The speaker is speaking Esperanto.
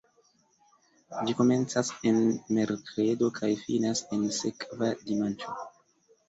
Ĝi komencas en merkredo kaj finas en sekva dimanĉo.